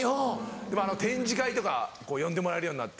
展示会とかこう呼んでもらえるようになって。